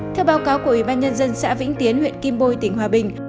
theo báo cáo của ủy ban nhân dân xã vĩnh tiến huyện kim bôi tỉnh hòa bình